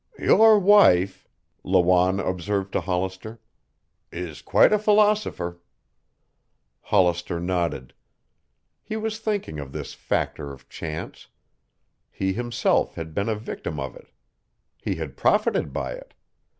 "Your wife," Lawanne observed to Hollister, "is quite a philosopher." Hollister nodded. He was thinking of this factor of chance. He himself had been a victim of it. He had profited by it.